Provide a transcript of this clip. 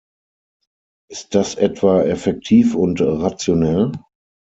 Ist das etwa effektiv und rationell?